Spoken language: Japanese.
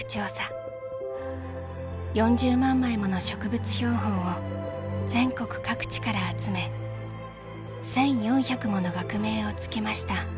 ４０万枚もの植物標本を全国各地から集め１，４００もの学名を付けました。